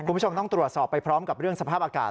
คุณผู้ชมต้องตรวจสอบไปพร้อมกับเรื่องสภาพอากาศ